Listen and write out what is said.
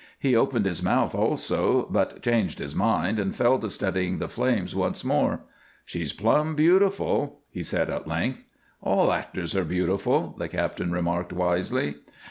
He opened his mouth also, but changed his mind and fell to studying the flames once more. "She's plumb beautiful," he said at length. "All actors is beautiful," the captain remarked, wisely.